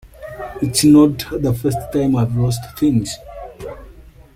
It's not the first time I've lost things.